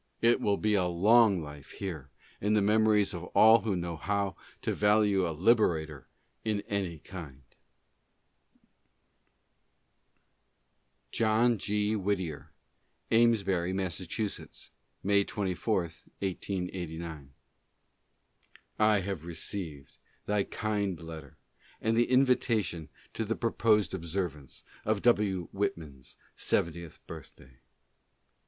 It will be a long life here in the memories of all who know how to value a liberator in anv kind. J John G. Whtitjlkr : Amesbury, Mass., May 24, 1889. I have received thy kind letter and the invitation to the pro posed observance ofW. Whitman's seventieth birthday.